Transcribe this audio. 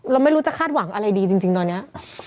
เราไม่รู้จะคาดหวังอะไรดีจริงตอนนี้